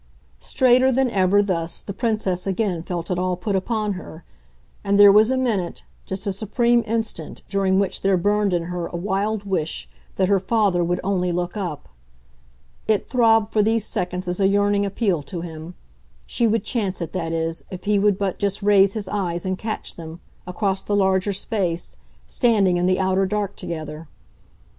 Straighter than ever, thus, the Princess again felt it all put upon her, and there was a minute, just a supreme instant, during which there burned in her a wild wish that her father would only look up. It throbbed for these seconds as a yearning appeal to him she would chance it, that is, if he would but just raise his eyes and catch them, across the larger space, standing in the outer dark together.